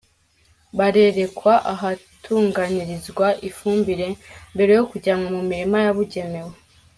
Barerekwa ahatunganyirizwa ifumbire, mbere yo kujyanwa mu mirima yabugenewe.